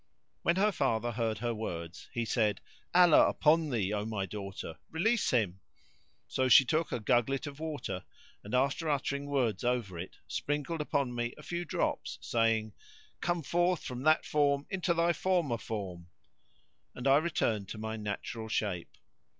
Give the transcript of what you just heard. When her father heard her words, he said, "Allah upon thee, O my daughter, release him." So she took a gugglet of water and, after uttering words over it, sprinkled upon me a few drops, saying, "Come forth from that form into thy former form." And I returned to my natural shape.